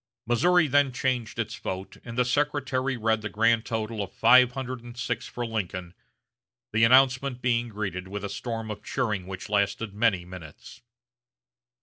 Missouri then changed its vote, and the secretary read the grand total of five hundred and six for Lincoln; the announcement being greeted with a storm of cheering which lasted many minutes.